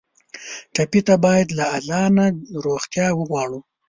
ټپي ته باید له الله نه روغتیا وغواړو.